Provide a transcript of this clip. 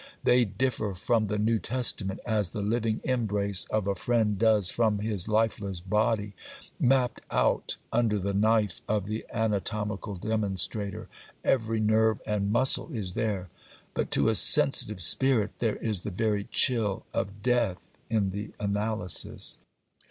They differ from the New Testament as the living embrace of a friend does from his lifeless body, mapped out under the knife of the anatomical demonstrator; every nerve and muscle is there, but to a sensitive spirit there is the very chill of death in the analysis.